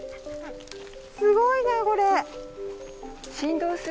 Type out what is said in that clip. すごいねこれ。